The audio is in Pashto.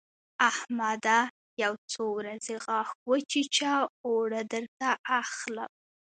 احمده! يو څو ورځې غاښ وچيچه؛ اوړه درته اخلم.